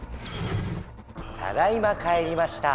ただいま帰りました！